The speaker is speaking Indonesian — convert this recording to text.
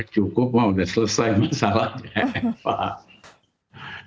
cukup sudah selesai masalahnya pak